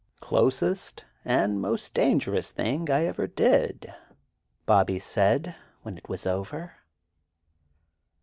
"Closest and most dangerous thing I ever did," Bobby said when it was over.